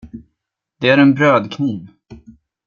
Det är en brödkniv.